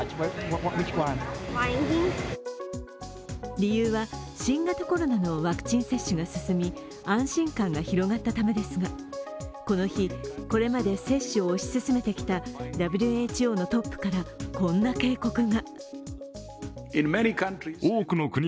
理由は新型コロナのワクチン接種が進み安心感が広がったためですがこの日、これまで接種を推し進めてきたＷＨＯのトップからこんな警告が。